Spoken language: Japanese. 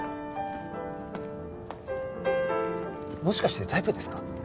もしかしてタイプですか？